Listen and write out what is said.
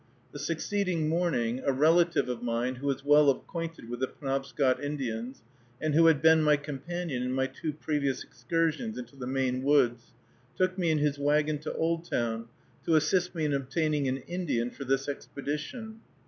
The succeeding morning, a relative of mine, who is well acquainted with the Penobscot Indians, and who had been my companion in my two previous excursions into the Maine woods, took me in his wagon to Oldtown, to assist me in obtaining an Indian for this expedition.